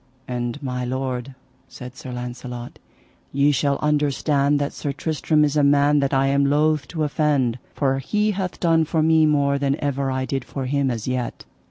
And my lord, said Sir Launcelot, ye shall understand that Sir Tristram is a man that I am loath to offend, for he hath done for me more than ever I did for him as yet.